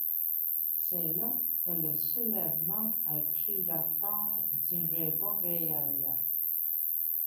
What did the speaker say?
C'est là que le soulèvement a pris la forme d'une révolte réelle.